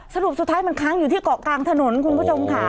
สรุปสุดท้ายมันค้างอยู่ที่เกาะกลางถนนคุณผู้ชมค่ะ